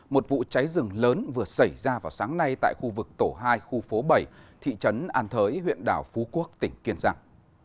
một vụ cháy rừng lớn vừa xảy ra vào sáng nay tại khu vực tổ hai khu phố bảy thị trấn an thới huyện đảo phú quốc tỉnh kiên giang